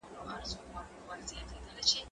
زه به سينه سپين کړی وي؟!